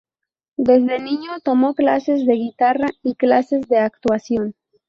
Desde niño, tomó clases de guitarra y clases de actuación.